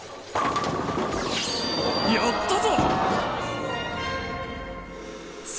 やったぞ！